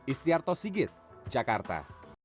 istiarto sigit jakarta